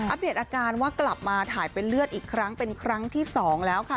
เดตอาการว่ากลับมาถ่ายเป็นเลือดอีกครั้งเป็นครั้งที่๒แล้วค่ะ